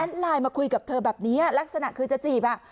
ไลน์มาคุยกับเธอแบบนี้ลักษณะคือจะจีบอ่ะ